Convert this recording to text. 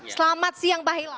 selamat siang pak hilal